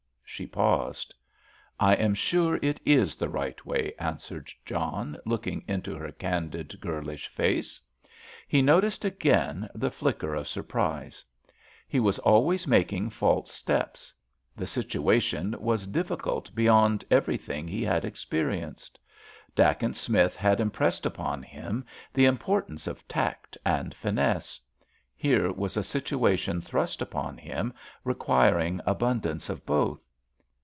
She paused. "I am sure it is the right way," answered John, looking into her candid, girlish face. He noticed again the flicker of surprise. He was always making false steps. The situation was difficult beyond everything he had experienced. Dacent Smith had impressed upon him the importance of tact and finesse. Here was a situation thrust upon him requiring abundance of both.